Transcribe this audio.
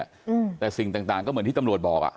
อืมแต่สิ่งต่างต่างก็เหมือนที่ตำรวจบอกอ่ะ